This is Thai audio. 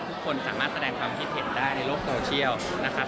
ทุกคนสามารถแสดงความคิดเห็นได้ในโลกโซเชียลนะครับ